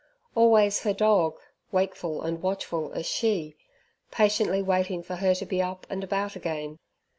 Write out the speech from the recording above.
Always her dog wakeful and watchful as she patiently waiting for her to be up and about again.